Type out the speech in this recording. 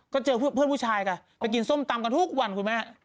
ก็เจอเพื่อนผู้ชายกันไปกินส้มตำกันทุกวันคุณแม่